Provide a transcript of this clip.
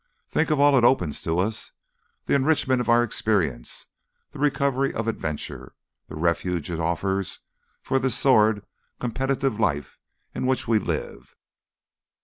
Think of all it opens out to us the enrichment of our experience, the recovery of adventure, the refuge it offers from this sordid, competitive life in which we live!